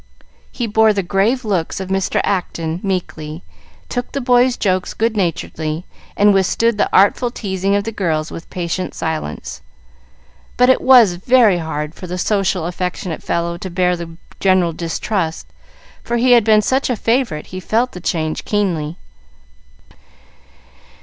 He bore the grave looks of Mr. Acton meekly, took the boys' jokes good naturedly, and withstood the artful teasing of the girls with patient silence. But it was very hard for the social, affectionate fellow to bear the general distrust, for he had been such a favorite he felt the change keenly.